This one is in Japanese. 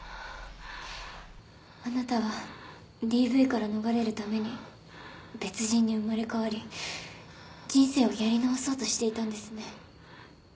あなたはＤＶから逃れるために別人に生まれ変わり人生をやり直そうとしていたんですね。